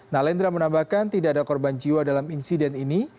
nalendra menambahkan tidak ada korban jiwa dalam insiden ini